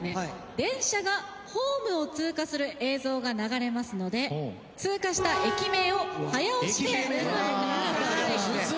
電車がホームを通過する映像が流れますので通過した駅名を早押しでお答え下さい。